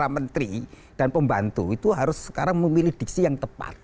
para menteri dan pembantu itu harus sekarang memilih diksi yang tepat